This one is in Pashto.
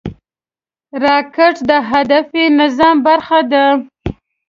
راکټ د هدفي نظام برخه ده